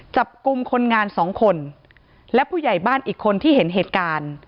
จับกลุ่มคนงานสองคนและผู้ใหญ่บ้านอีกคนที่เห็นเหตุการณ์